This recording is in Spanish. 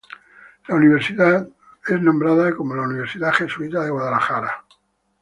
La universidad es nombrada como la Universidad Jesuita de Guadalajara.